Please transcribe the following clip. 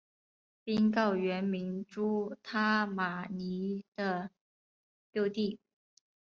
宾告原名朱他玛尼的幼弟。